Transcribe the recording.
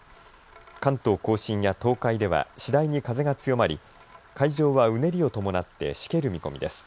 関東甲信や東海では次第に風が強まり、海上はうねりを伴ってしける見込みです。